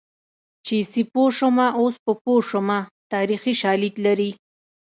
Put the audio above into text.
چې سیپو شومه اوس په پوه شومه تاریخي شالید لري